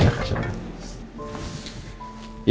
saya angkat telepon sebentar ya